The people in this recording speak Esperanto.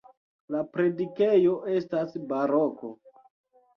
La predikejo estas baroko.